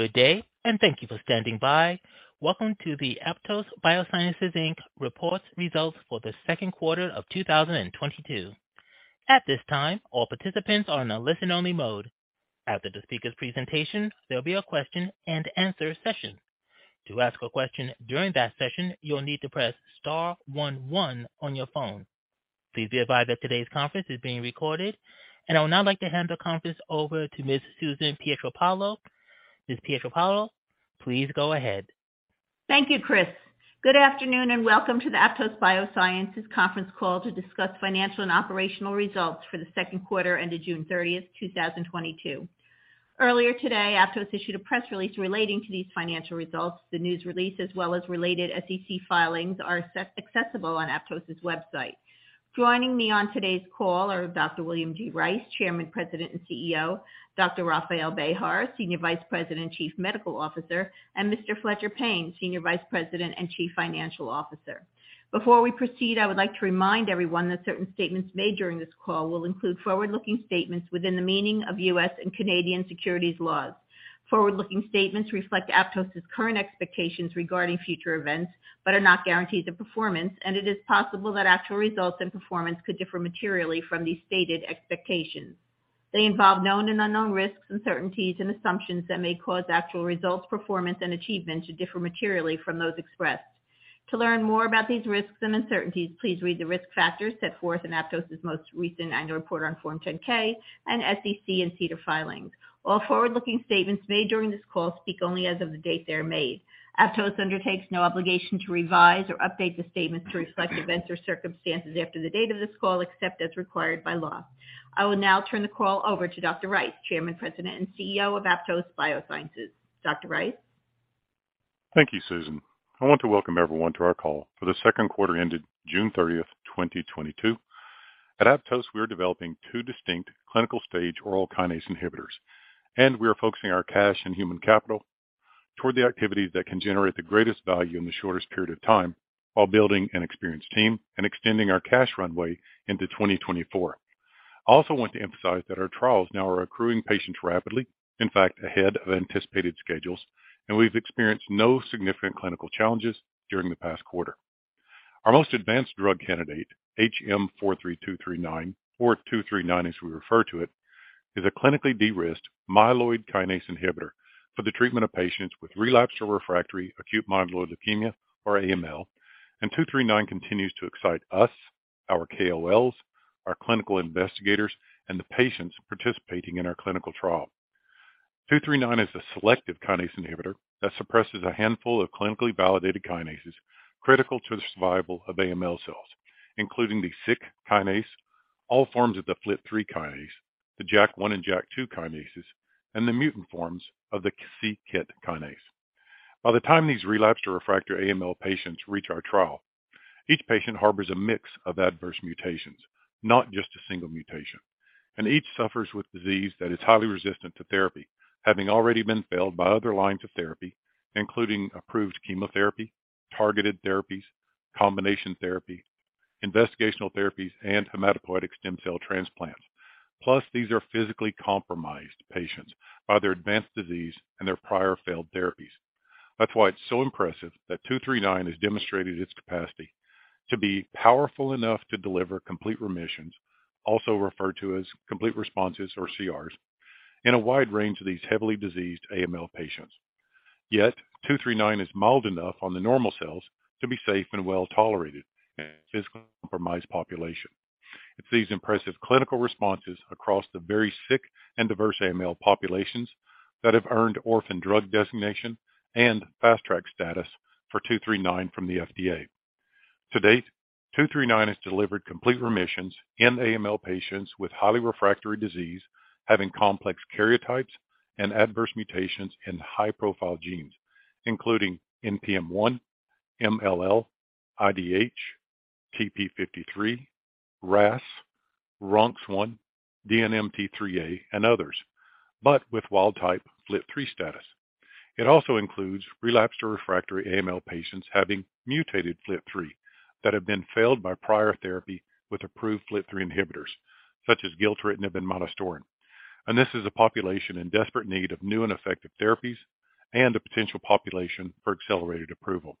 Good day, thank you for standing by. Welcome to the Aptose Biosciences Inc reports results for the second quarter of 2022. At this time, all participants are in a listen-only mode. After the speaker's presentation, there'll be a question and answer session. To ask a question during that session, you'll need to press star one one on your phone. Please be advised that today's conference is being recorded. I would now like to hand the conference over to Ms. Susan Pietropaolo. Ms. Pietropaolo, please go ahead. Thank you, Chris. Good afternoon, and welcome to the Aptose Biosciences conference call to discuss financial and operational results for the second quarter ended June 30th, 2022. Earlier today, Aptose issued a press release relating to these financial results. The news release, as well as related SEC filings, are accessible on Aptose's website. Joining me on today's call are Dr. William G. Rice, Chairman, President, and CEO, Dr. Rafael Bejar, Senior Vice President, Chief Medical Officer, and Mr. Fletcher Payne, Senior Vice President and Chief Financial Officer. Before we proceed, I would like to remind everyone that certain statements made during this call will include forward-looking statements within the meaning of U.S. and Canadian securities laws. Forward-looking statements reflect Aptose's current expectations regarding future events but are not guarantees of performance, and it is possible that actual results and performance could differ materially from these stated expectations. They involve known and unknown risks, uncertainties, and assumptions that may cause actual results, performance, and achievements to differ materially from those expressed. To learn more about these risks and uncertainties, please read the risk factors set forth in Aptose's most recent annual report on Form 10-K and SEC and SEDAR filings. All forward-looking statements made during this call speak only as of the date they are made. Aptose undertakes no obligation to revise or update the statements to reflect events or circumstances after the date of this call, except as required by law. I will now turn the call over to Dr. Rice, Chairman, President, and CEO of Aptose Biosciences. Dr. Rice. Thank you, Susan. I want to welcome everyone to our call for the second quarter ended June 30th, 2022. At Aptose, we are developing two distinct clinical-stage oral kinase inhibitors, and we are focusing our cash and human capital toward the activities that can generate the greatest value in the shortest period of time while building an experienced team and extending our cash runway into 2024. I also want to emphasize that our trials now are accruing patients rapidly, in fact, ahead of anticipated schedules, and we've experienced no significant clinical challenges during the past quarter. Our most advanced drug candidate, HM43239 or 239 as we refer to it, is a clinically de-risked myeloid kinome inhibitor for the treatment of patients with relapsed or refractory acute myeloid leukemia or AML. HM43239 continues to excite us, our KOLs, our clinical investigators, and the patients participating in our clinical trial. HM43239 is a selective kinase inhibitor that suppresses a handful of clinically validated kinases critical to the survival of AML cells, including the SYK kinase, all forms of the FLT3 kinase, the JAK1 and JAK2 kinases, and the mutant forms of the c-KIT kinase. By the time these relapsed or refractory AML patients reach our trial, each patient harbors a mix of adverse mutations, not just a single mutation. Each suffers with disease that is highly resistant to therapy, having already been failed by other lines of therapy, including approved chemotherapy, targeted therapies, combination therapy, investigational therapies, and hematopoietic stem cell transplants. Plus, these are physically compromised patients by their advanced disease and their prior failed therapies. That's why it's so impressive that HM43239 has demonstrated its capacity to be powerful enough to deliver complete remissions, also referred to as complete responses or CRs in a wide range of these heavily diseased AML patients. Yet HM43239 is mild enough on the normal cells to be safe and well tolerated in a physically compromised population. It's these impressive clinical responses across the very sick and diverse AML populations that have earned Orphan Drug Designation and Fast Track status for HM43239 from the FDA. To date, HM43239 has delivered complete remissions in AML patients with highly refractory disease, having complex karyotypes and adverse mutations in high-profile genes, including NPM1, MLL, IDH, TP53, RAS, RUNX1, DNMT3A, and others, but with wild type FLT3 status. It also includes relapsed or refractory AML patients having mutated FLT3 that have been failed by prior therapy with approved FLT3 inhibitors such as gilteritinib and midostaurin. This is a population in desperate need of new and effective therapies and a potential population for accelerated approval.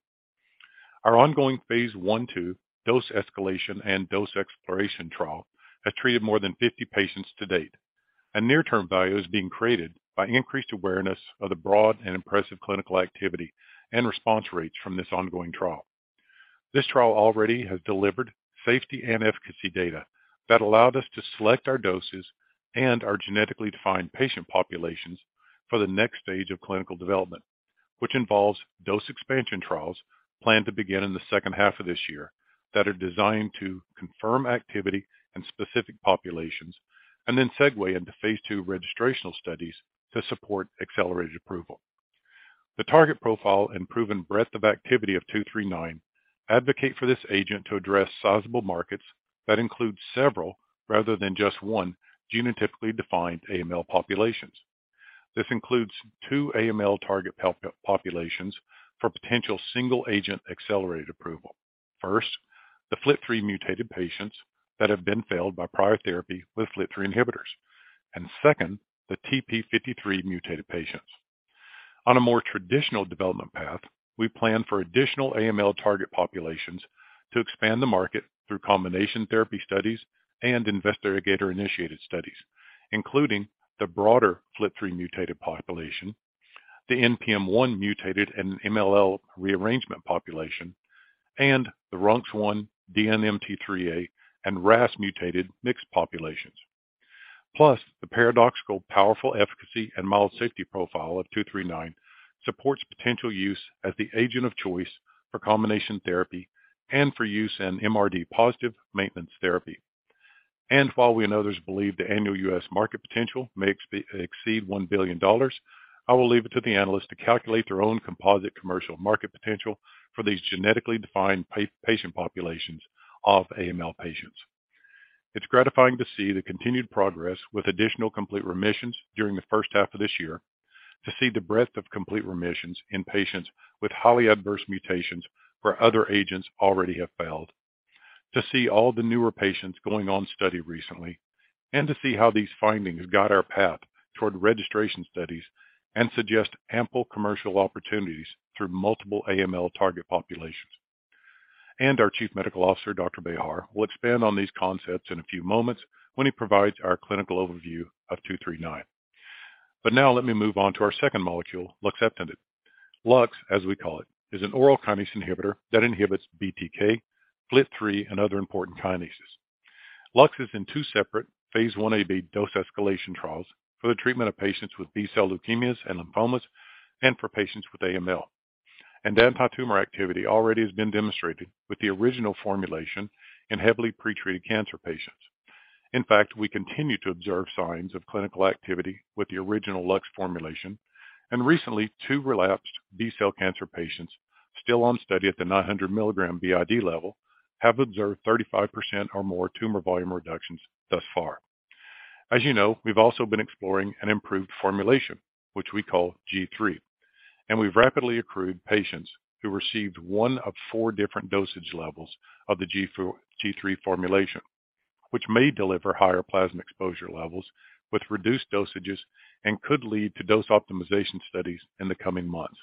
Our ongoing phase I/II dose escalation and dose exploration trial has treated more than 50 patients to date, and near-term value is being created by increased awareness of the broad and impressive clinical activity and response rates from this ongoing trial. This trial already has delivered safety and efficacy data that allowed us to select our doses and our genetically defined patient populations for the next stage of clinical development. Which involves dose expansion trials planned to begin in the second half of this year that are designed to confirm activity in specific populations and then segue into phase II registrational studies to support accelerated approval. The target profile and proven breadth of activity of HM43239 advocate for this agent to address sizable markets that include several rather than just one genotypically defined AML populations. This includes two AML target populations for potential single-agent accelerated approval. First, the FLT3-mutated patients that have failed prior therapy with FLT3 inhibitors. And second, the TP53 mutated patients. On a more traditional development path, we plan for additional AML target populations to expand the market through combination therapy studies and investigator-initiated studies, including the broader FLT3-mutated population, the NPM1 mutated and MLL rearrangement population, and the RUNX1, DNMT3A, and RAS mutated mixed populations. Plus, the paradoxical powerful efficacy and mild safety profile of HM43239 supports potential use as the agent of choice for combination therapy and for use in MRD positive maintenance therapy. While we and others believe the annual U.S. market potential may exceed $1 billion, I will leave it to the analyst to calculate their own composite commercial market potential for these genetically defined patient populations of AML patients. It's gratifying to see the continued progress with additional complete remissions during the first half of this year, to see the breadth of complete remissions in patients with highly adverse mutations where other agents already have failed, to see all the newer patients going on study recently, and to see how these findings guide our path toward registration studies and suggest ample commercial opportunities through multiple AML target populations. Our Chief Medical Officer, Dr. Bejar- Will expand on these concepts in a few moments when he provides our clinical overview of two three nine. Now let me move on to our second molecule, luxeptinib. LUX, as we call it, is an oral kinase inhibitor that inhibits BTK, FLT3, and other important kinases. LUX is in two separate phase I-AB dose escalation trials for the treatment of patients with B-cell leukemias and lymphomas and for patients with AML. Anti-tumor activity already has been demonstrated with the original formulation in heavily pre-treated cancer patients. In fact, we continue to observe signs of clinical activity with the original LUX formulation, and recently, two relapsed B-cell cancer patients still on study at the 900 mg BID level have observed 35% or more tumor volume reductions thus far. As you know, we've also been exploring an improved formulation, which we call G3, and we've rapidly accrued patients who received one of four different dosage levels of the G3 formulation, which may deliver higher plasma exposure levels with reduced dosages and could lead to dose optimization studies in the coming months.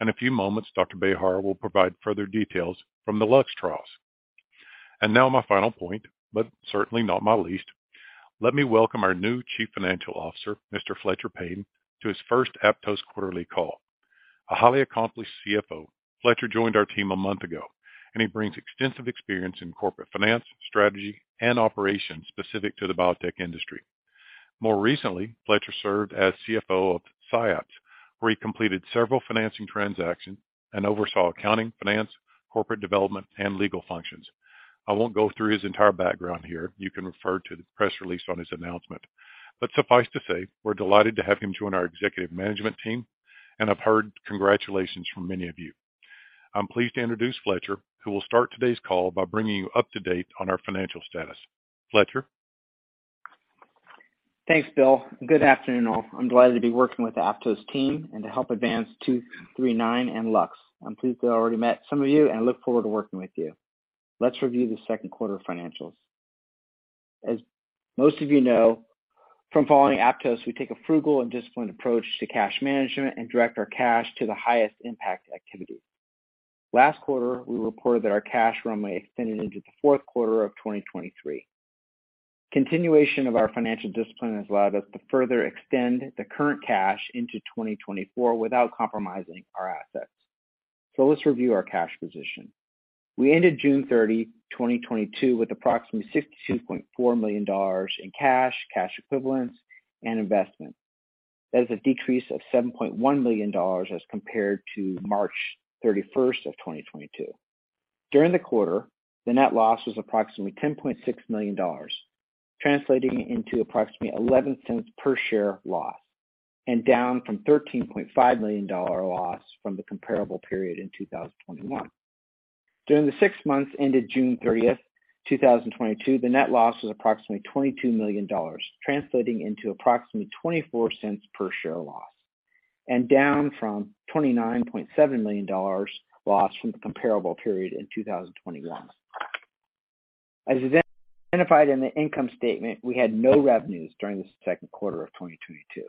In a few moments, Dr. Bejar will provide further details from the LUX trials. Now my final point, but certainly not my least, let me welcome our new Chief Financial Officer, Mr. Fletcher Payne, to his first Aptose quarterly call. A highly accomplished CFO, Fletcher joined our team a month ago, and he brings extensive experience in corporate finance, strategy, and operations specific to the biotech industry. More recently, Fletcher served as CFO of Syapse, where he completed several financing transactions and oversaw accounting, finance, corporate development, and legal functions. I won't go through his entire background here. You can refer to the press release on his announcement. Suffice to say, we're delighted to have him join our executive management team, and I've heard congratulations from many of you. I'm pleased to introduce Fletcher, who will start today's call by bringing you up to date on our financial status. Fletcher? Thanks, Bill. Good afternoon, all. I'm delighted to be working with Aptose team and to help advance HM43239 and LUX. I'm pleased that I already met some of you and look forward to working with you. Let's review the second quarter financials. As most of you know from following Aptose, we take a frugal and disciplined approach to cash management and direct our cash to the highest impact activity. Last quarter, we reported that our cash runway extended into the fourth quarter of 2023. Continuation of our financial discipline has allowed us to further extend the current cash into 2024 without compromising our assets. Let's review our cash position. We ended June 30, 2022, with approximately $62.4 million in cash equivalents, and investment. That is a decrease of $7.1 million as compared to March 31st, 2022. During the quarter, the net loss was approximately $10.6 million, translating into approximately $0.11 per share loss and down from $13.5 million loss from the comparable period in 2021. During the six months ended June 30, 2022, the net loss was approximately $22 million, translating into approximately $0.24 per share loss and down from $29.7 million loss from the comparable period in 2021. As identified in the income statement, we had no revenues during the second quarter of 2022.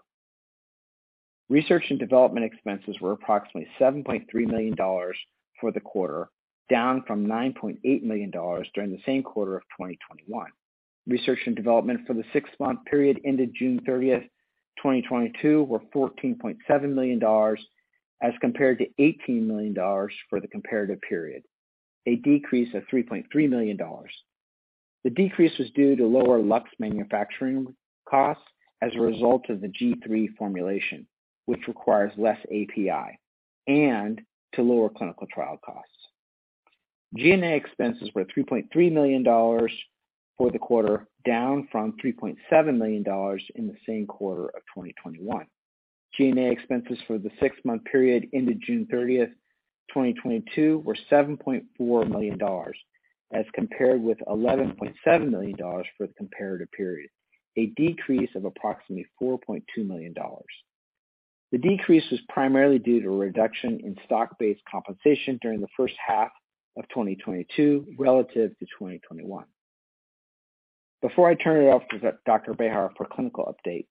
Research and development expenses were approximately $7.3 million for the quarter, down from $9.8 million during the same quarter of 2021. Research and development for the six-month period ended June 30th, 2022, were $14.7 million as compared to $18 million for the comparative period, a decrease of $3.3 million. The decrease was due to lower LUX manufacturing costs as a result of the G3 formulation, which requires less API and to lower clinical trial costs. G&A expenses were $3.3 million for the quarter, down from $3.7 million in the same quarter of 2021. G&A expenses for the six-month period ended June 30th, 2022, were $7.4 million as compared with $11.7 million for the comparative period, a decrease of approximately $4.2 million. The decrease is primarily due to a reduction in stock-based compensation during the first half of 2022 relative to 2021. Before I turn it over to Dr. Bejar for clinical update,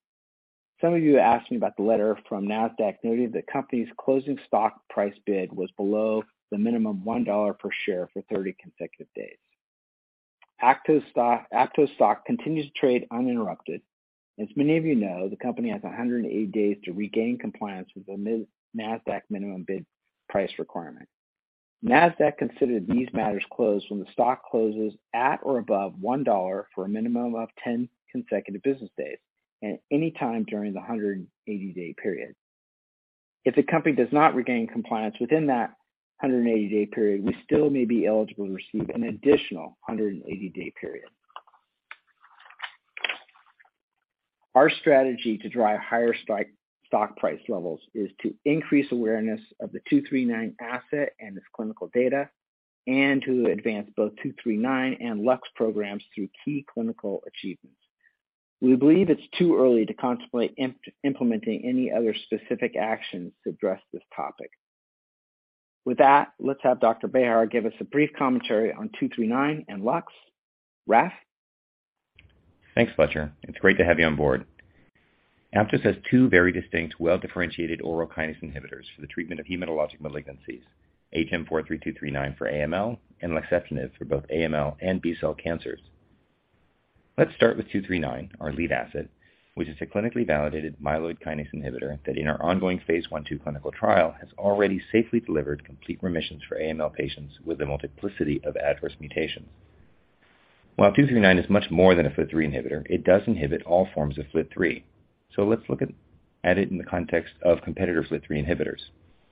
some of you asked me about the letter from Nasdaq noting the company's closing bid price was below the minimum $1 per share for 30 consecutive days. Aptose stock continues to trade uninterrupted. As many of you know, the company has 180 days to regain compliance with the Nasdaq minimum bid price requirement. Nasdaq considered these matters closed when the stock closes at or above $1 for a minimum of 10 consecutive business days at any time during the 180-day period. If the company does not regain compliance within that 180-day period, we still may be eligible to receive an additional 180-day period. Our strategy to drive higher stock price levels is to increase awareness of the HM43239 asset and its clinical data, and to advance both HM43239 and LUX programs through key clinical achievements. We believe it's too early to contemplate implementing any other specific actions to address this topic. With that, let's have Dr. Bejar give us a brief commentary on HM43239 and LUX. Raf? Thanks, Fletcher. It's great to have you on board. Aptose has two very distinct, well-differentiated oral kinase inhibitors for the treatment of hematologic malignancies, HM43239 for AML and luxeptinib for both AML and B-cell cancers. Let's start with HM43239, our lead asset, which is a clinically validated myeloid kinase inhibitor that in our ongoing phase I/II clinical trial has already safely delivered complete remissions for AML patients with a multiplicity of adverse mutations. While HM43239 is much more than a FLT3 inhibitor, it does inhibit all forms of FLT3. Let's look at it in the context of competitor FLT3 inhibitors.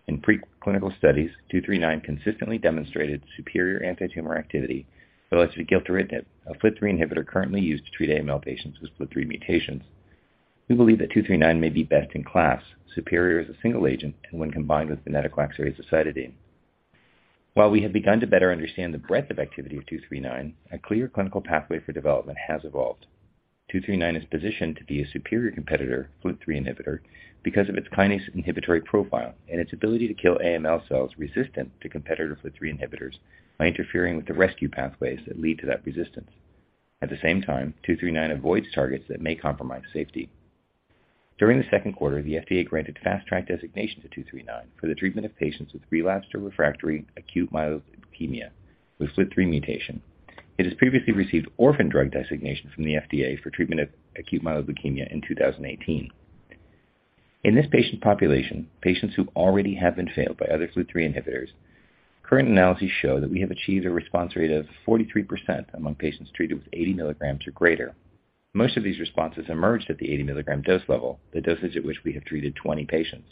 In preclinical studies, HM43239 consistently demonstrated superior antitumor activity relative to gilteritinib, a FLT3 inhibitor currently used to treat AML patients with FLT3 mutations. We believe that HM43239 may be best in class, superior as a single agent, and when combined with venetoclax azacitidine. While we have begun to better understand the breadth of activity of HM43239, a clear clinical pathway for development has evolved. HM43239 is positioned to be a superior competitive FLT3 inhibitor because of its kinase inhibitory profile and its ability to kill AML cells resistant to competitive FLT3 inhibitors by interfering with the rescue pathways that lead to that resistance. At the same time, HM43239 avoids targets that may compromise safety. During the second quarter, the FDA granted Fast Track designation to HM43239 for the treatment of patients with relapsed or refractory acute myeloid leukemia with FLT3 mutation. It has previously received Orphan Drug Designation from the FDA for treatment of acute myeloid leukemia in 2018. In this patient population, patients who already have been failed by other FLT3 inhibitors, current analyses show that we have achieved a response rate of 43% among patients treated with 80 mg or greater. Most of these responses emerged at the 80 mg dose level, the dosage at which we have treated 20 patients.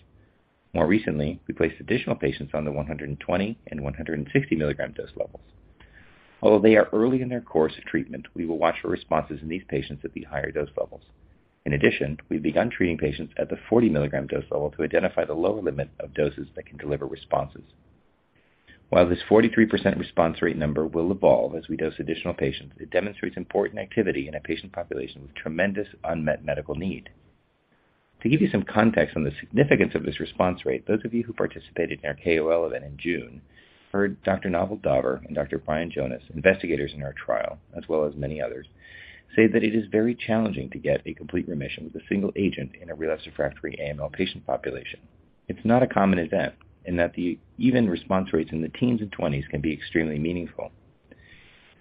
More recently, we placed additional patients on the 120 mg and 150 mg dose levels. Although they are early in their course of treatment, we will watch for responses in these patients at the higher dose levels. In addition, we've begun treating patients at the 40 mg dose level to identify the lower limit of doses that can deliver responses. While this 43% response rate number will evolve as we dose additional patients, it demonstrates important activity in a patient population with tremendous unmet medical need. To give you some context on the significance of this response rate, those of you who participated in our KOL event in June heard Dr. Naval Daver and Dr. Brian Jonas, investigators in our trial, as well as many others, say that it is very challenging to get a complete remission with a single agent in a relapsed/refractory AML patient population. It's not a common event, and that the even response rates in the teens and twenties can be extremely meaningful.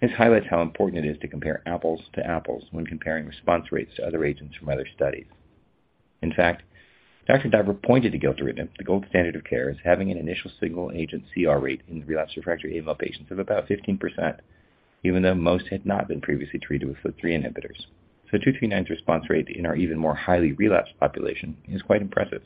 This highlights how important it is to compare apples to apples when comparing response rates to other agents from other studies. In fact, Dr. Daver pointed to gilteritinib, the gold standard of care, as having an initial single-agent CR rate in relapsed/refractory AML patients of about 15%, even though most had not been previously treated with FLT3 inhibitors. HM43239's response rate in our even more highly relapsed population is quite impressive.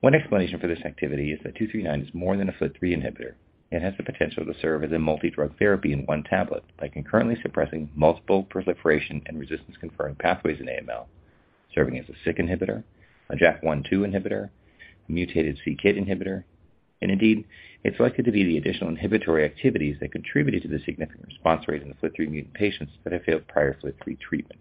One explanation for this activity is that HM43239 is more than a FLT3 inhibitor. It has the potential to serve as a multi-drug therapy in one tablet by concurrently suppressing multiple proliferation and resistance-conferring pathways in AML, serving as a SYK inhibitor, a JAK1/2 inhibitor, mutated c-KIT inhibitor. Indeed, it's likely to be the additional inhibitory activities that contributed to the significant response rate in the FLT3-mutant patients that have failed prior FLT3 treatment.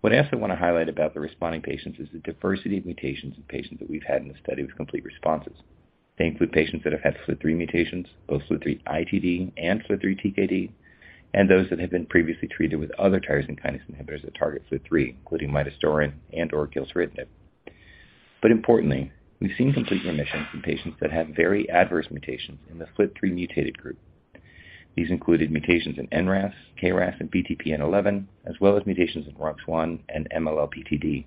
What I also want to highlight about the responding patients is the diversity of mutations in patients that we've had in the study with complete responses. They include patients that have had FLT3 mutations, both FLT3-ITD and FLT3-TKD, and those that have been previously treated with other tyrosine kinase inhibitors that target FLT3, including midostaurin and/or gilteritinib. Importantly, we've seen complete remissions in patients that have very adverse mutations in the FLT3-mutated group. These included mutations in NRAS, KRAS, and PTPN11, as well as mutations in RUNX1 and MLL-PTD.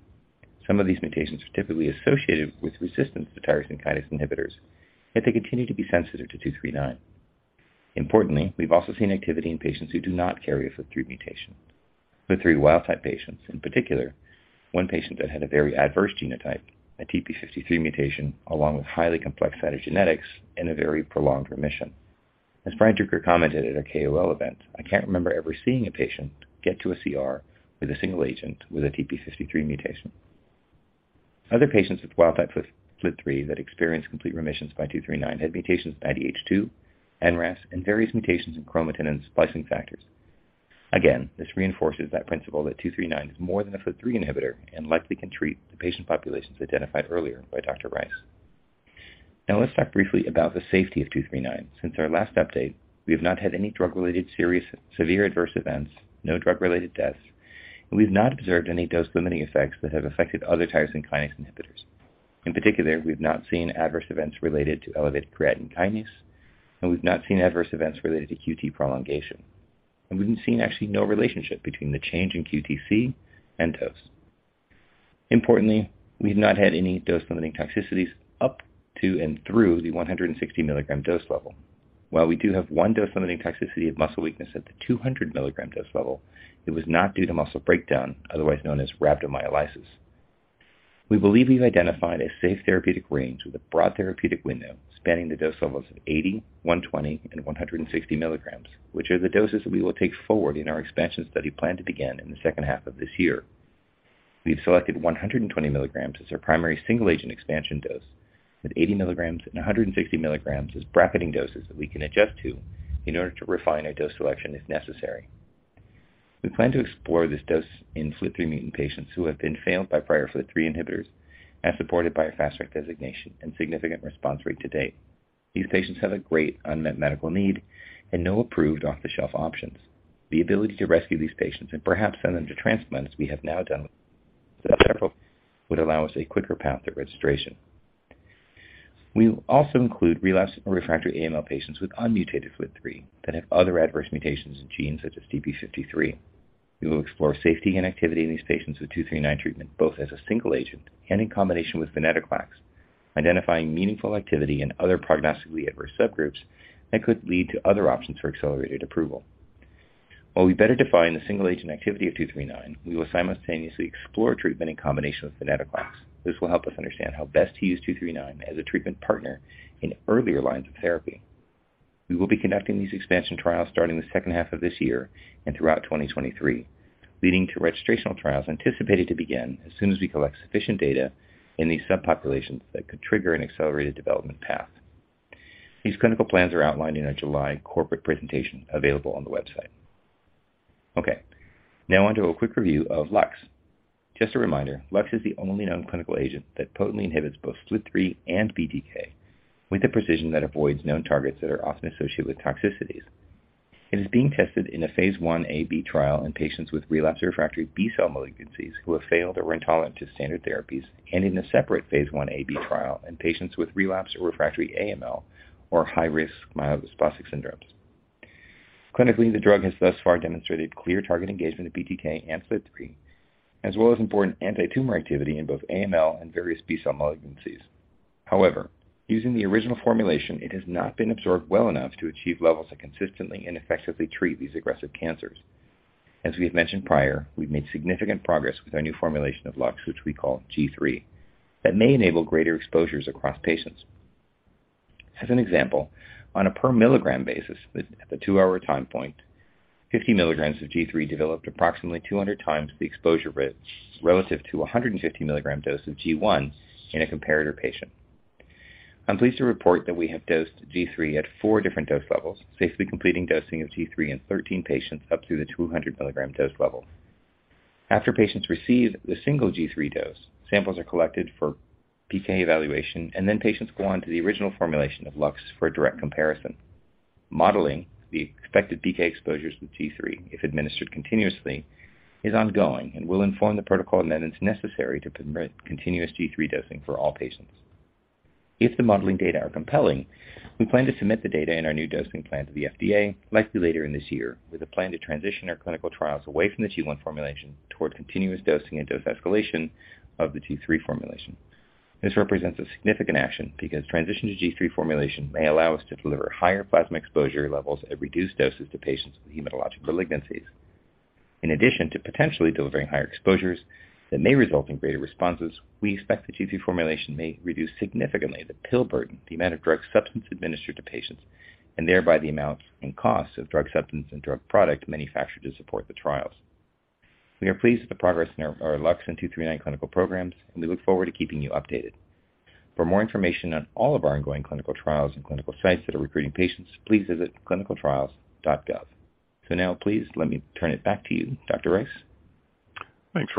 Some of these mutations are typically associated with resistance to tyrosine kinase inhibitors, yet they continue to be sensitive to HM43239. Importantly, we've also seen activity in patients who do not carry a FLT3 mutation. FLT3 wild-type patients, in particular, one patient that had a very adverse genotype, a TP53 mutation, along with highly complex cytogenetics and a very prolonged remission. As Brian Druker commented at our KOL event, "I can't remember ever seeing a patient get to a CR with a single agent with a TP53 mutation." Other patients with wild-type FLT3 that experienced complete remissions by HM43239 had mutations in IDH2, NRAS, and various mutations in chromatin and splicing factors. This reinforces that principle that two three nine is more than a FLT3 inhibitor and likely can treat the patient populations identified earlier by Dr. Rice. Now let's talk briefly about the safety of two three nine. Since our last update, we have not had any drug-related serious severe adverse events, no drug-related deaths, and we've not observed any dose-limiting effects that have affected other tyrosine kinase inhibitors. In particular, we've not seen adverse events related to elevated creatine kinase, and we've not seen adverse events related to QT prolongation. We've seen actually no relationship between the change in QTc and dose. Importantly, we've not had any dose-limiting toxicities up to and through the 160 mg dose level. While we do have one dose-limiting toxicity of muscle weakness at the 200 mg dose level, it was not due to muscle breakdown, otherwise known as rhabdomyolysis. We believe we've identified a safe therapeutic range with a broad therapeutic window spanning the dose levels of 80 mg, 120 mg, and 160 mg, which are the doses that we will take forward in our expansion study planned to begin in the second half of this year. We've selected 120 mg as our primary single-agent expansion dose, with 80 mg and 160 mg as bracketing doses that we can adjust to in order to refine our dose selection if necessary. We plan to explore this dose in FLT3 mutant patients who have been failed by prior FLT3 inhibitors as supported by a Fast Track designation and significant response rate to date. These patients have a great unmet medical need and no approved off-the-shelf options. The ability to rescue these patients and perhaps send them to transplant, as we have now done with several, would allow us a quicker path to registration. We also include relapsed or refractory AML patients with unmutated FLT3 that have other adverse mutations in genes such as TP53. We will explore safety and activity in these patients with HM43239 treatment, both as a single agent and in combination with venetoclax, identifying meaningful activity in other prognostically adverse subgroups that could lead to other options for accelerated approval. While we better define the single-agent activity of HM43239, we will simultaneously explore treatment in combination with venetoclax. This will help us understand how best to use HM43239 as a treatment partner in earlier lines of therapy. We will be conducting these expansion trials starting the second half of this year and throughout 2023, leading to registrational trials anticipated to begin as soon as we collect sufficient data in these subpopulations that could trigger an accelerated development path. These clinical plans are outlined in our July corporate presentation available on the website. Okay, now onto a quick review of LUX. Just a reminder, LUX is the only known clinical agent that potently inhibits both FLT3 and BTK with a precision that avoids known targets that are often associated with toxicities. It is being tested in a phase I-AB trial in patients with relapsed refractory B-cell malignancies who have failed or are intolerant to standard therapies, and in a separate phase I-AB trial in patients with relapsed or refractory AML or high-risk myelodysplastic syndromes. Clinically, the drug has thus far demonstrated clear target engagement of BTK and FLT3, as well as important antitumor activity in both AML and various B-cell malignancies. However, using the original formulation, it has not been absorbed well enough to achieve levels that consistently and effectively treat these aggressive cancers. We've made significant progress with our new formulation of LUX, which we call G3, that may enable greater exposures across patients. As an example, on a per milligram basis at the 2-hour time point, 50 mg of G3 developed approximately 200 times the exposure rate relative to 150 mg dose of G1 in a comparator patient. I'm pleased to report that we have dosed G3 at four different dose levels, safely completing dosing of G3 in 13 patients up to the 200 mg dose level. After patients receive the single G3 dose, samples are collected for PK evaluation, and then patients go on to the original formulation of LUX for a direct comparison. Modeling the expected PK exposures with G3 if administered continuously is ongoing and will inform the protocol amendments necessary to permit continuous G3 dosing for all patients. If the modeling data are compelling, we plan to submit the data in our new dosing plan to the FDA likely later in this year, with a plan to transition our clinical trials away from the G1 formulation toward continuous dosing and dose escalation of the G3 formulation. This represents a significant action because transition to G3 formulation may allow us to deliver higher plasma exposure levels at reduced doses to patients with hematologic malignancies. In addition to potentially delivering higher exposures that may result in greater responses, we expect the G3 formulation may reduce significantly the pill burden, the amount of drug substance administered to patients, and thereby the amount and cost of drug substance and drug product manufactured to support the trials. We are pleased with the progress in our LUX and HM43239 clinical programs, and we look forward to keeping you updated. For more information on all of our ongoing clinical trials and clinical sites that are recruiting patients, please visit clinicaltrials.gov. Now please let me turn it back to you, Dr. Rice. Thanks,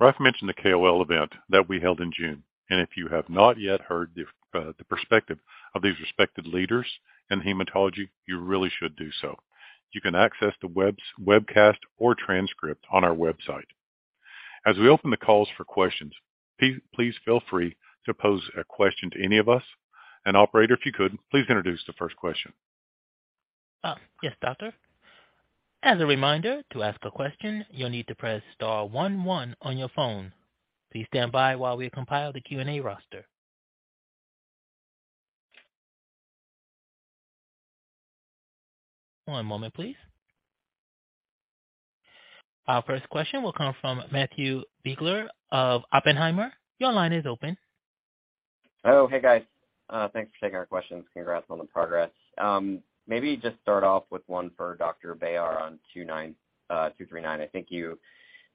Raf. Raf mentioned the KOL event that we held in June, and if you have not yet heard the perspective of these respected leaders in hematology, you really should do so. You can access the webcast or transcript on our website. As we open the call for questions, please feel free to pose a question to any of us. Operator, if you could, please introduce the first question. Yes, doctor. As a reminder, to ask a question, you'll need to press star one one on your phone. Please stand by while we compile the Q&A roster. One moment, please. Our first question will come from Matthew Biegler of Oppenheimer. Your line is open. Oh, hey, guys. Thanks for taking our questions. Congrats on the progress. Maybe just start off with one for Dr. Bejar on HM43239. I think you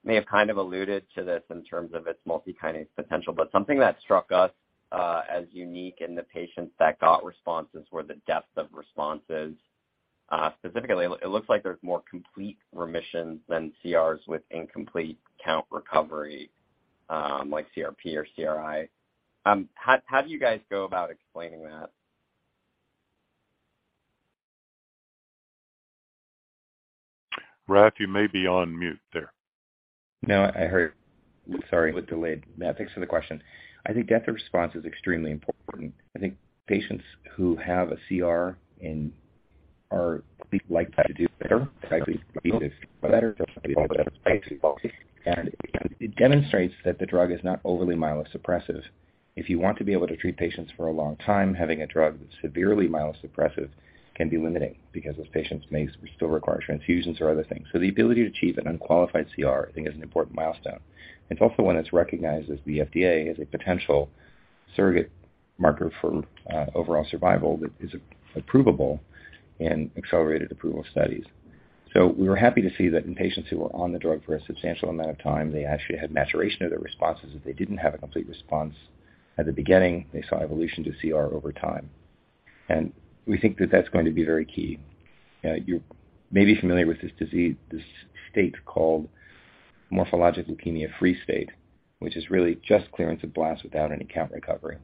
may have kind of alluded to this in terms of its multikinase potential, but something that struck us as unique in the patients that got responses were the depth of responses. Specifically, it looks like there's more complete remission than CRs with incomplete count recovery, like CRp or CRi. How do you guys go about explaining that? Raf, you may be on mute there. No, I heard. Sorry for the delay. Matt, thanks for the question. I think depth of response is extremely important. I think patients who have a CR and are likely to do better. It demonstrates that the drug is not overly myelosuppressive. If you want to be able to treat patients for a long time, having a drug that's severely myelosuppressive can be limiting because those patients may still require transfusions or other things. The ability to achieve an unqualified CR, I think, is an important milestone. It's also one that's recognized by the FDA as a potential surrogate marker for overall survival that is approvable in accelerated approval studies. We were happy to see that in patients who were on the drug for a substantial amount of time, they actually had maturation of their responses. If they didn't have a complete response at the beginning, they saw evolution to CR over time. We think that that's going to be very key. You may be familiar with this disease, this state called morphologic leukemia-free state, which is really just clearance of blasts without any count recovery.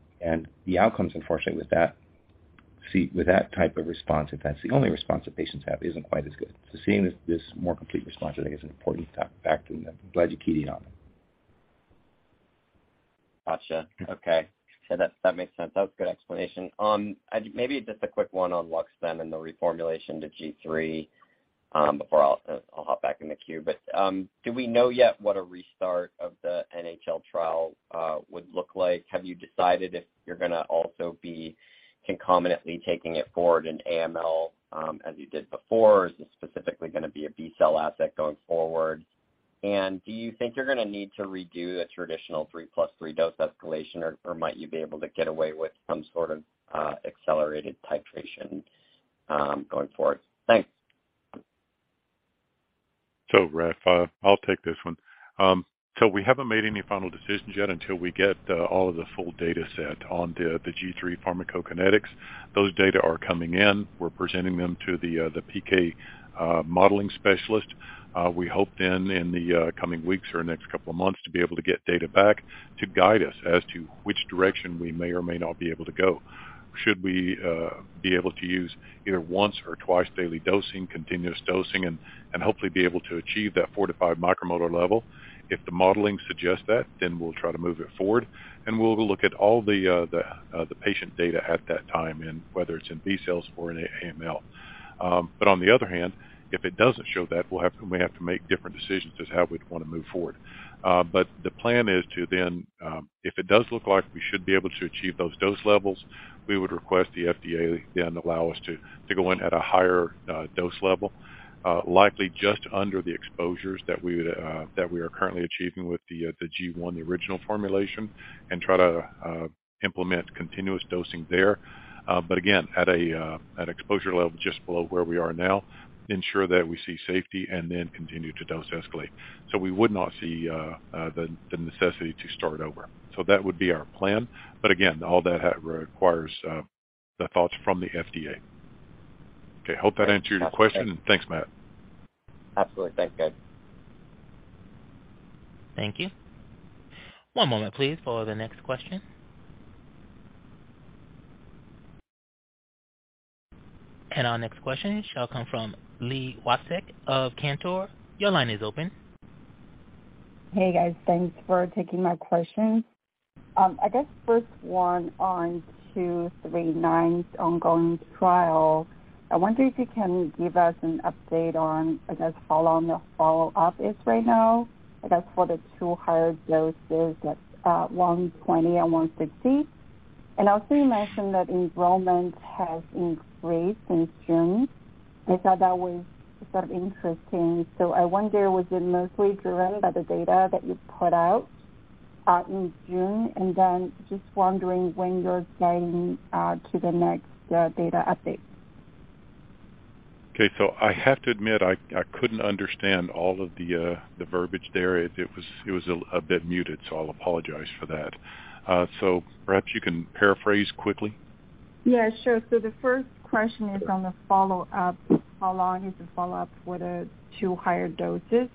The outcomes, unfortunately, with that type of response, if that's the only response that patients have, isn't quite as good. Seeing this more complete response, I think, is an important factor, and I'm glad you keyed in on it. Got you. Okay. That makes sense. That was a good explanation. Maybe just a quick one on luxeptinib and the reformulation to G3, before I'll hop back in the queue. Do we know yet what a restart of the NHL trial would look like? Have you decided if you're gonna also be concomitantly taking it forward in AML, as you did before? Is this specifically gonna be a B-cell asset going forward? And do you think you're gonna need to redo the traditional 3+3 dose escalation, or might you be able to get away with some sort of accelerated titration, going forward? Thanks. Raf, I'll take this one. We haven't made any final decisions yet until we get all of the full data set on the G3 pharmacokinetics. Those data are coming in. We're presenting them to the PK modeling specialist. We hope then in the coming weeks or next couple of months to be able to get data back to guide us as to which direction we may or may not be able to go. Should we be able to use either once or twice daily dosing, continuous dosing, and hopefully be able to achieve that 4-5 micromolar level? If the modeling suggests that, then we'll try to move it forward, and we'll look at all the patient data at that time and whether it's in B cells or in AML. On the other hand, if it doesn't show that, we may have to make different decisions as how we'd wanna move forward. The plan is to then, if it does look like we should be able to achieve those dose levels, we would request the FDA then allow us to go in at a higher dose level, likely just under the exposures that we are currently achieving with the G1, the original formulation, and try to implement continuous dosing there. Again, at an exposure level just below where we are now, ensure that we see safety and then continue to dose escalate. We would not see the necessity to start over. That would be our plan. Again, all that requires the thoughts from the FDA. Okay, hope that answered your question. Thanks, Matt. Absolutely. Thanks, guys. Thank you. One moment please for the next question. Our next question shall come from Li Watsek of Cantor. Your line is open. Hey, guys. Thanks for taking my question. I guess first one on HM43239's ongoing trial. I wonder if you can give us an update on, I guess, how long the follow-up is right now, I guess, for the two higher doses at 120 mg and 160 mg. Also you mentioned that enrollment has increased since June. I thought that was sort of interesting. I wonder, was it mostly driven by the data that you put out in June? Then just wondering when you're planning to the next data update. Okay. I have to admit, I couldn't understand all of the verbiage there. It was a bit muted, so I'll apologize for that. Perhaps you can paraphrase quickly. Yeah, sure. The first question is on the follow-up. How long is the follow-up for the two higher doses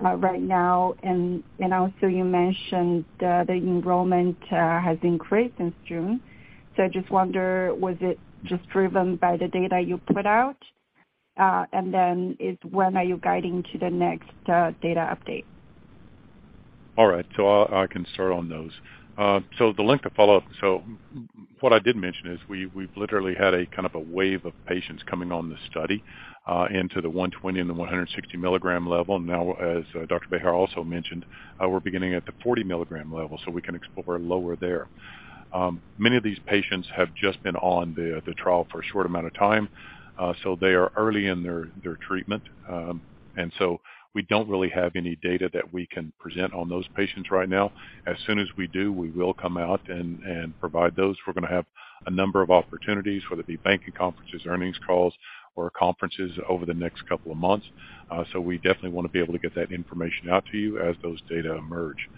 right now? And also you mentioned the enrollment has increased since June. I just wonder, was it just driven by the data you put out? And then when are you guiding to the next data update? All right. I can start on those. The length of follow-up. What I did mention is we've literally had a kind of a wave of patients coming on the study into the 120 mg and the 160 mg level. Now, as Dr. Bejar also mentioned, we're beginning at the 40 mg level, so we can explore lower there. Many of these patients have just been on the trial for a short amount of time, so they are early in their treatment. We don't really have any data that we can present on those patients right now. As soon as we do, we will come out and provide those. We're gonna have a number of opportunities, whether it be banking conferences, earnings calls, or conferences over the next couple of months. We definitely wanna be able to get that information out to you as those data emerge.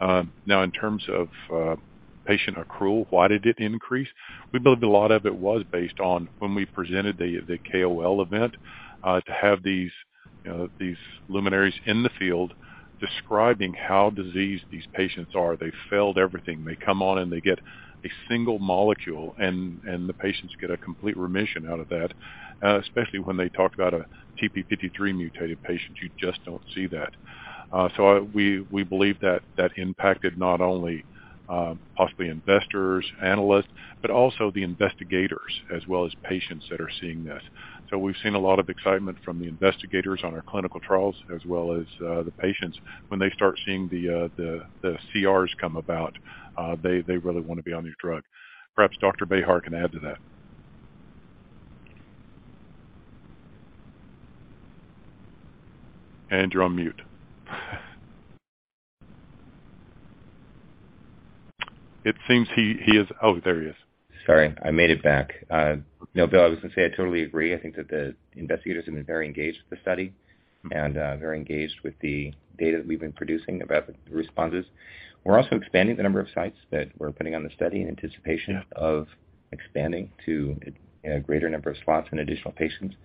Now in terms of patient accrual. Why did it increase? We believe a lot of it was based on when we presented the KOL event to have these, you know, these luminaries in the field describing how diseased these patients are. They failed everything. They come on, and they get a single molecule and the patients get a complete remission out of that, especially when they talk about a TP53 mutated patient. You just don't see that. We believe that that impacted not only possibly investors, analysts, but also the investigators as well as patients that are seeing this. We've seen a lot of excitement from the investigators on our clinical trials as well as the patients. When they start seeing the CRs come about, they really wanna be on this drug. Perhaps Dr. Bejar can add to that. You're on mute. It seems he is. Oh, there he is. Sorry, I made it back. No, Bill, I was gonna say I totally agree. I think that the investigators have been very engaged with the study and very engaged with the data that we've been producing about the responses. We're also expanding the number of sites that we're putting on the study in anticipation- Yeah. of expanding to a greater number of sites and additional patients.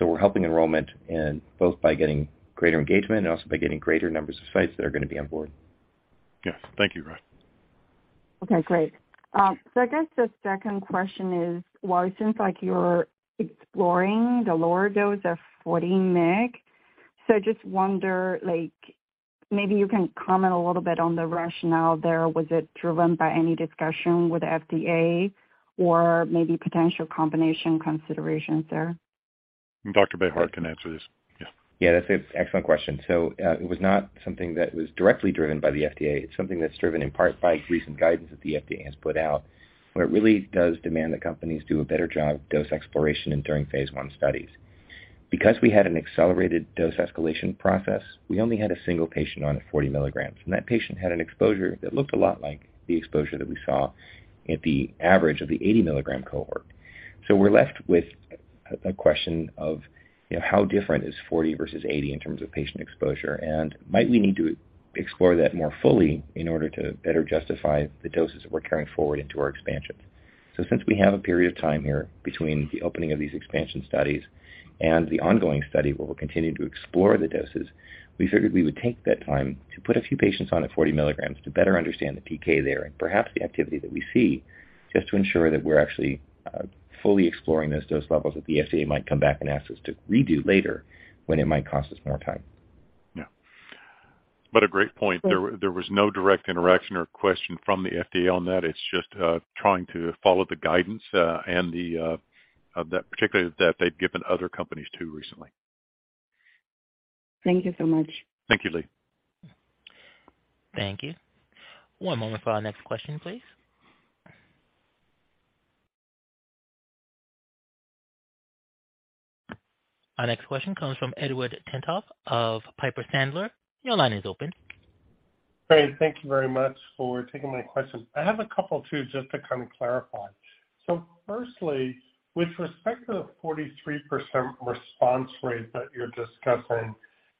We're helping enrollment in both by getting greater engagement and also by getting greater numbers of sites that are gonna be on board. Yes. Thank you, Raf. Okay, great. I guess the second question is, well, it seems like you're exploring the lower dose of 40 mg. I just wonder, like maybe you can comment a little bit on the rationale there. Was it driven by any discussion with the FDA or maybe potential combination considerations there? Dr. Bejar can answer this. Yeah. Yeah, that's an excellent question. It was not something that was directly driven by the FDA. It's something that's driven in part by recent guidance that the FDA has put out, where it really does demand that companies do a better job dose exploration and during phase one studies. Because we had an accelerated dose escalation process, we only had a single patient on at 40 mg, and that patient had an exposure that looked a lot like the exposure that we saw at the average of the 80 mg cohort. We're left with a question of, you know, how different is 40 mg versus 80 mg in terms of patient exposure, and might we need to explore that more fully in order to better justify the doses that we're carrying forward into our expansion. Since we have a period of time here between the opening of these expansion studies and the ongoing study, where we'll continue to explore the doses, we figured we would take that time to put a few patients on at 40 mg to better understand the PK there and perhaps the activity that we see, just to ensure that we're actually fully exploring those dose levels that the FDA might come back and ask us to redo later when it might cost us more time. Yeah. What a great point. There was no direct interaction or question from the FDA on that. It's just trying to follow the guidance that particularly they've given other companies too recently. Thank you so much. Thank you, Li. Thank you. One moment for our next question, please. Our next question comes from Edward Tenthoff of Piper Sandler. Your line is open. Great. Thank you very much for taking my questions. I have a couple too, just to kind of clarify. Firstly, with respect to the 43% response rate that you're discussing,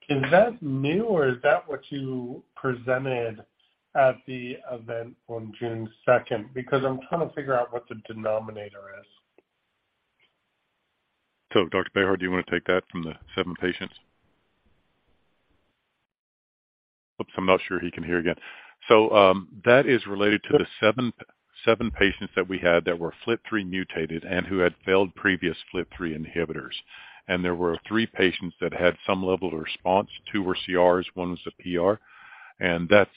is that new or is that what you presented at the event on June 2nd? Because I'm trying to figure out what the denominator is. Dr. Bejar, do you wanna take that from the seven patients? Oops, I'm not sure he can hear again. That is related to the seven patients that we had that were FLT3 mutated and who had failed previous FLT3 inhibitors. There were three patients that had some level of response. Two were CRs, one was a PR, and that's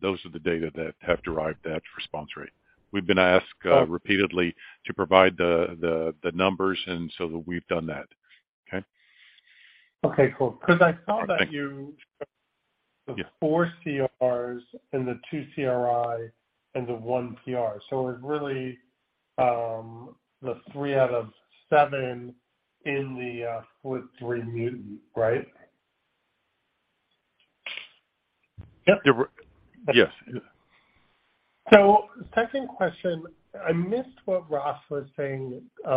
those are the data that have derived that response rate. We've been asked repeatedly to provide the numbers and so we've done that. Okay? Okay, cool. 'Cause I saw that you- Yeah. The four CRs and the two CRi and the one PR. It's really the three out of seven in the FLT3 mutant, right? Yep. Yes. Yeah. Second question. I missed what Raf was saying. He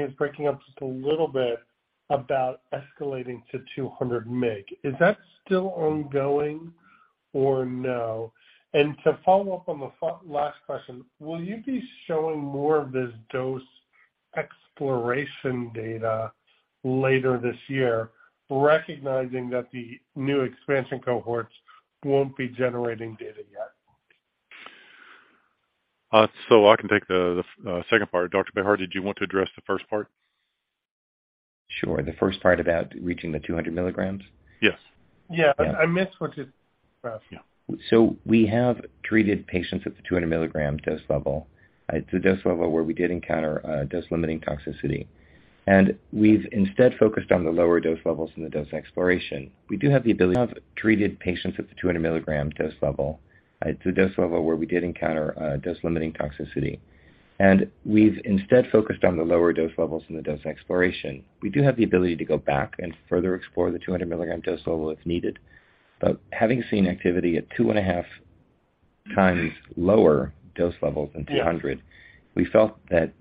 was breaking up just a little bit about escalating to 200 mg. Is that still ongoing or no? To follow up on the last question, will you be showing more of this dose exploration data later this year, recognizing that the new expansion cohorts won't be generating data yet? I can take the second part. Dr. Bejar, did you want to address the first part? Sure. The first part about reaching the 200 mg? Yes. Yeah. I missed what you said, Raf. Yeah. We have treated patients at the 200 mg dose level. It's a dose level where we did encounter dose-limiting toxicity, and we've instead focused on the lower dose levels in the dose exploration. We do have the ability to go back and further explore the 200 mg dose level if needed. Having seen activity at 2.5 times lower dose levels than 200 mg. Yeah. We felt that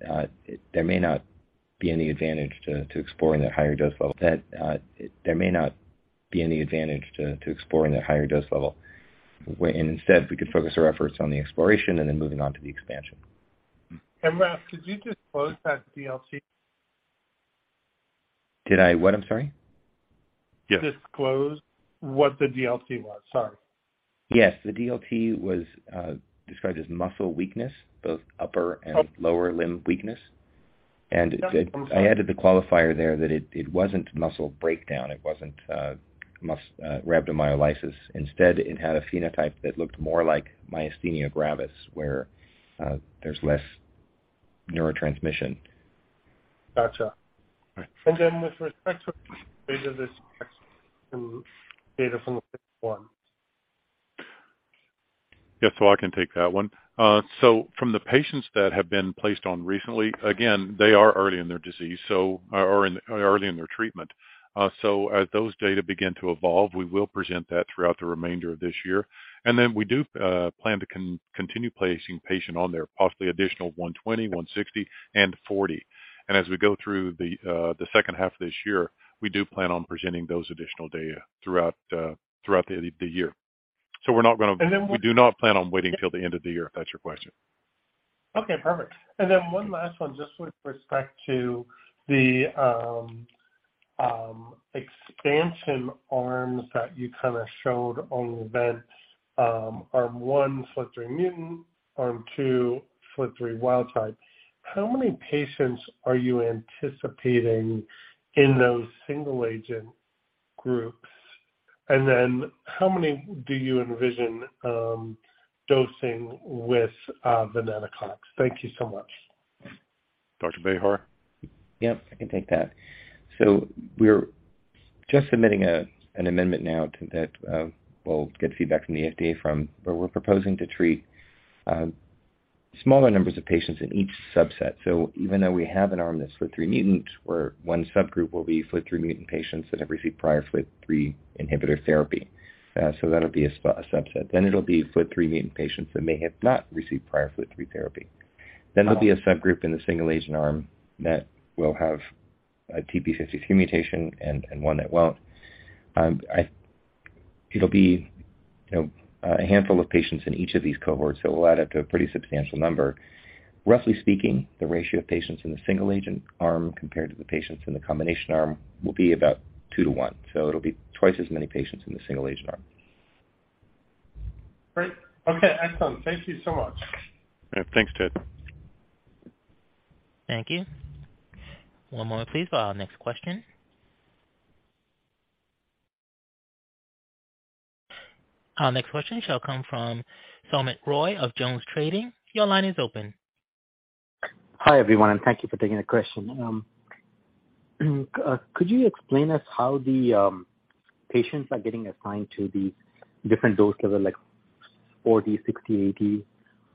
there may not be any advantage to exploring that higher dose level when instead we could focus our efforts on the exploration and then moving on to the expansion. Raf, could you disclose that DLT? Did I what? I'm sorry. Yes. Disclose what the DLT was. Sorry. Yes. The DLT was described as muscle weakness, both upper and lower limb weakness. I added the qualifier there that it wasn't muscle breakdown, it wasn't rhabdomyolysis. Instead, it had a phenotype that looked more like myasthenia gravis, where there's less neurotransmission. Gotcha. All right. With respect to this data from the platform. I can take that one. From the patients that have been placed on recently, again, they are early in their disease, so are early in their treatment. As those data begin to evolve, we will present that throughout the remainder of this year. We do plan to continue placing patient on there, possibly additional 120 mg, 160 mg and 40 mg. As we go through the second half of this year, we do plan on presenting those additional data throughout the year. We're not gonna. And then one- We do not plan on waiting till the end of the year, if that's your question. Okay, perfect. One last one, just with respect to the expansion arms that you kind of showed on the events. Arm 1 FLT3 mutant, arm 2 FLT3 wild type. How many patients are you anticipating in those single agent groups? How many do you envision dosing with venetoclax? Thank you so much. Dr. Bejar? Yeah, I can take that. We're just submitting an amendment now to that. We'll get feedback from the FDA. We're proposing to treat smaller numbers of patients in each subset. Even though we have an arm that's FLT3 mutant, where one subgroup will be FLT3 mutant patients that have received prior FLT3 inhibitor therapy, that'll be a subset. It'll be FLT3 mutant patients that may have not received prior FLT3 therapy. There'll be a subgroup in the single agent arm that will have a TP53 mutation and one that won't. It'll be, you know, a handful of patients in each of these cohorts, so it will add up to a pretty substantial number. Roughly speaking, the ratio of patients in the single agent arm compared to the patients in the combination arm will be about two to one. It'll be twice as many patients in the single agent arm. Great. Okay, excellent. Thank you so much. Yeah. Thanks, Ed. Thank you. One moment please for our next question. Our next question shall come from Soumit Roy of Jones Trading. Your line is open. Hi, everyone, and thank you for taking the question. Could you explain us how the patients are getting assigned to the different dose level, like 40 mg, 60 mg, 80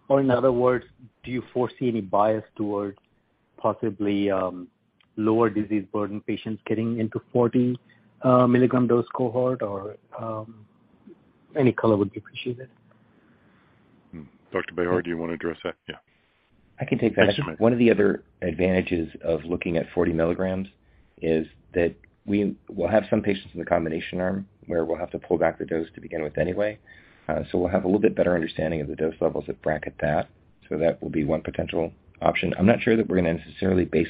mg? In other words, do you foresee any bias towards possibly lower disease burden patients getting into 40 mg dose cohort? Any color would be appreciated. Dr. Bejar, do you want to address that? Yeah. I can take that. One of the other advantages of looking at 40 mg is that we will have some patients in the combination arm where we'll have to pull back the dose to begin with anyway. We'll have a little bit better understanding of the dose levels that bracket that. That will be one potential option. I'm not sure that we're going to necessarily base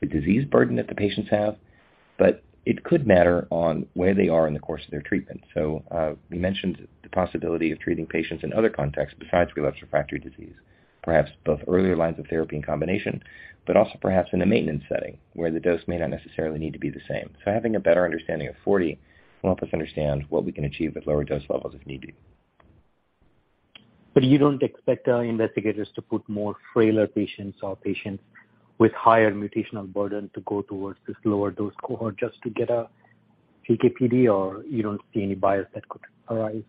it on the disease burden that the patients have, but it could matter on where they are in the course of their treatment. We mentioned the possibility of treating patients in other contexts besides relapsed refractory disease, perhaps both earlier lines of therapy in combination, but also perhaps in a maintenance setting where the dose may not necessarily need to be the same. Having a better understanding of 40 mg will help us understand what we can achieve with lower dose levels if need be. You don't expect investigators to put more frailer patients or patients with higher mutational burden to go towards this lower dose cohort just to get a TKD or you don't see any bias that could arise?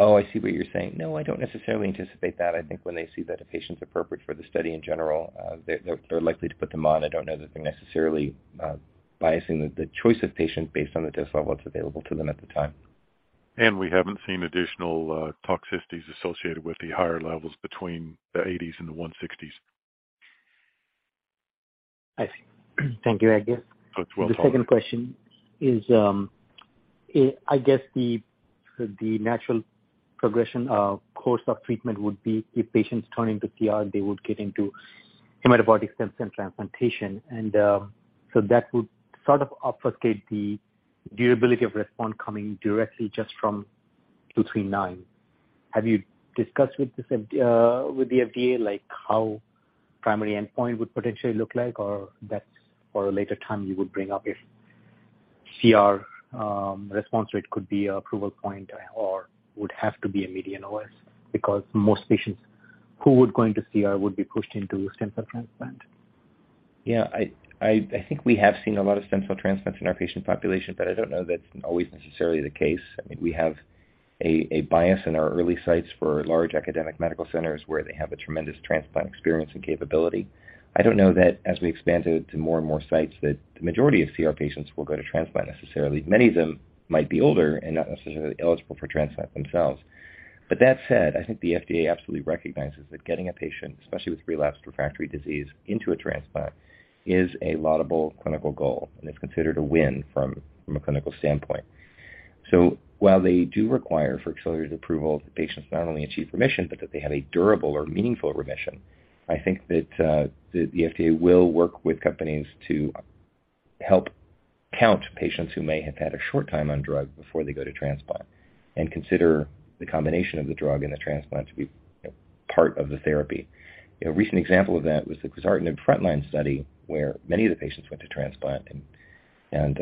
Oh, I see what you're saying. No, I don't necessarily anticipate that. I think when they see that a patient's appropriate for the study in general, they're likely to put them on. I don't know that they're necessarily biasing the choice of patient based on the dose level that's available to them at the time. We haven't seen additional toxicities associated with the higher levels between the 80s and the 160s. I see. Thank you. That's well followed. The second question is, I guess the natural progression course of treatment would be if patients turn into CR, they would get into hematopoietic stem cell transplantation. That would sort of obfuscate the durability of response coming directly just from HM43239. Have you discussed with the FDA, like how primary endpoint would potentially look like? That's for a later time you would bring up if CR response rate could be approval point or would have to be a median OS? Because most patients who would go into CR would be pushed into stem cell transplant. Yeah, I think we have seen a lot of stem cell transplants in our patient population, but I don't know that's always necessarily the case. I mean, we have a bias in our early sites for large academic medical centers where they have a tremendous transplant experience and capability. I don't know that as we expand to more and more sites, that the majority of CR patients will go to transplant necessarily. Many of them might be older and not necessarily eligible for transplant themselves. That said, I think the FDA absolutely recognizes that getting a patient, especially with relapsed refractory disease, into a transplant is a laudable clinical goal and is considered a win from a clinical standpoint. So while they do require for accelerated approval that patients not only achieve remission, but that they have a durable or meaningful remission, I think that the FDA will work with companies to help count patients who may have had a short time on drug before they go to transplant and consider the combination of the drug and the transplant to be part of the therapy. A recent example of that was the Quizartinib frontline study, where many of the patients went to transplant and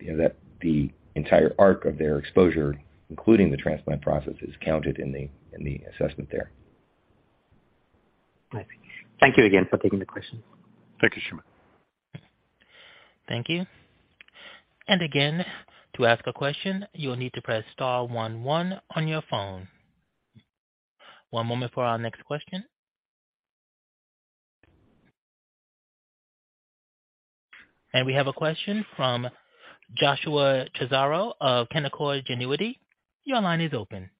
you know that the entire arc of their exposure, including the transplant process, is counted in the assessment there. I see. Thank you again for taking the question. Thank you, Soumit. Thank you. Again, to ask a question, you will need to press star one one on your phone. One moment for our next question. We have a question from Joshua Chazaro of Canaccord Genuity. Your line is open.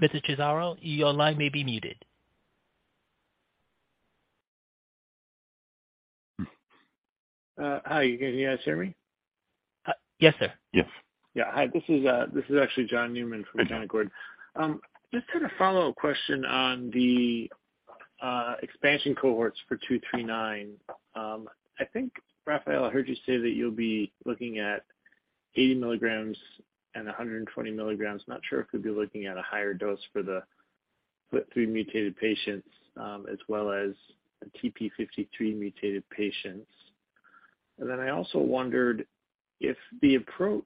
Mr. Chazaro, your line may be muted. Hi. Can you guys hear me? Yes, sir. Yes. Yeah. Hi. This is actually John Newman from Canaccord. Just kind of follow up question on the expansion cohorts for HM43239. I think, Rafael, I heard you say that you'll be looking at 80 mg and 120 mg. Not sure if you'll be looking at a higher dose for the FLT3 mutated patients, as well as TP53 mutated patients. I also wondered if the approach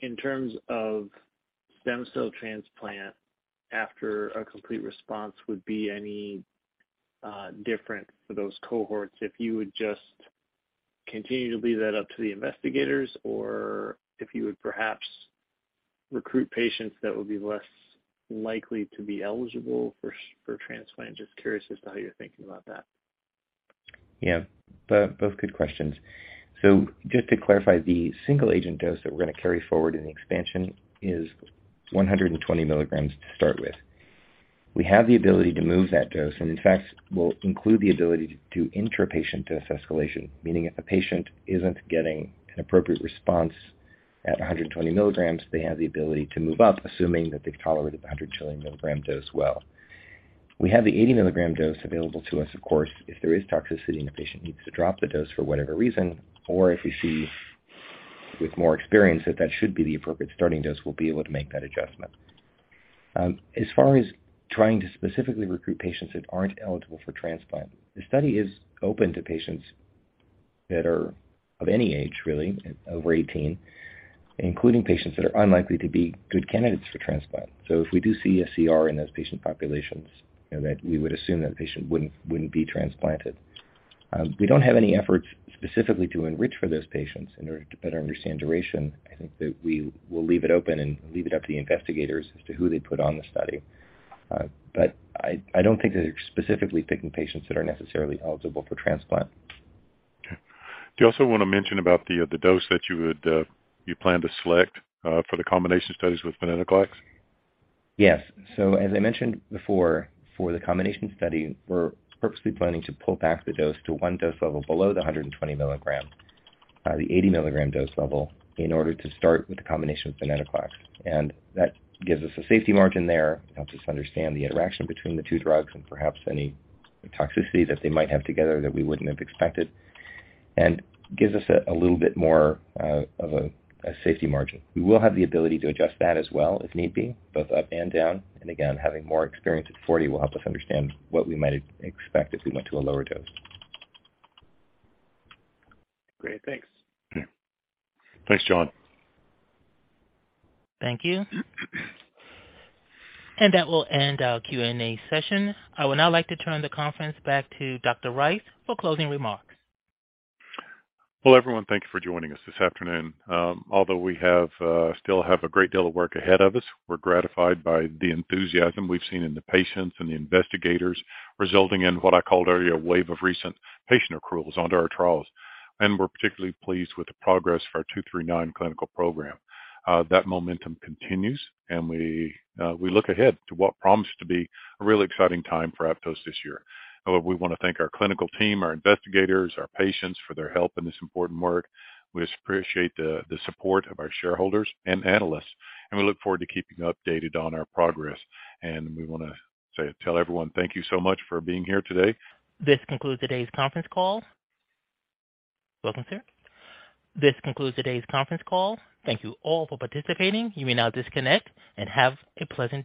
in terms of stem cell transplant after a complete response would be any different for those cohorts, if you would just continue to leave that up to the investigators or if you would perhaps recruit patients that would be less likely to be eligible for transplant. Just curious as to how you're thinking about that. Yeah, both good questions. Just to clarify, the single agent dose that we're gonna carry forward in the expansion is 120 mg to start with. We have the ability to move that dose, and in fact, we'll include the ability to do intra-patient dose escalation, meaning if a patient isn't getting an appropriate response at 120 mg, they have the ability to move up, assuming that they've tolerated the 120 mg dose well. We have the 80 mg dose available to us, of course, if there is toxicity and the patient needs to drop the dose for whatever reason, or if we see with more experience that that should be the appropriate starting dose, we'll be able to make that adjustment. As far as trying to specifically recruit patients that aren't eligible for transplant, the study is open to patients that are of any age really, over 18, including patients that are unlikely to be good candidates for transplant. If we do see a CR in those patient populations, you know, that we would assume that patient wouldn't be transplanted. We don't have any efforts specifically to enrich for those patients in order to better understand duration. I think that we will leave it open and leave it up to the investigators as to who they put on the study. I don't think they're specifically picking patients that aren't necessarily eligible for transplant. Do you also wanna mention about the dose that you plan to select for the combination studies with venetoclax? Yes. As I mentioned before, for the combination study, we're purposely planning to pull back the dose to one dose level below the 120 mg, the 80 mg dose level, in order to start with the combination of venetoclax. That gives us a safety margin there. Helps us understand the interaction between the two drugs and perhaps any toxicity that they might have together that we wouldn't have expected. That gives us a little bit more of a safety margin. We will have the ability to adjust that as well if need be, both up and down. Again, having more experience at 40 mg will help us understand what we might expect if we went to a lower dose. Great. Thanks. Yeah. Thanks, John. Thank you. That will end our Q&A session. I would now like to turn the conference back to Dr. Rice for closing remarks. Well, everyone, thank you for joining us this afternoon. Although we still have a great deal of work ahead of us, we're gratified by the enthusiasm we've seen in the patients and the investigators, resulting in what I called earlier, a wave of recent patient accruals onto our trials. We're particularly pleased with the progress of our HM43239 clinical program. That momentum continues and we look ahead to what promises to be a really exciting time for Aptose this year. However, we wanna thank our clinical team, our investigators, our patients, for their help in this important work. We appreciate the support of our shareholders and analysts, and we look forward to keeping you updated on our progress. We wanna say, tell everyone thank you so much for being here today. This concludes today's conference call. Welcome, sir. This concludes today's conference call. Thank you all for participating. You may now disconnect and have a pleasant day.